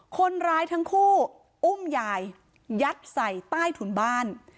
คนร้ายทั้งคู่อุ้มยายยัดใส่ใต้ถุนบ้าน